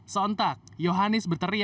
sontak yohanis berterima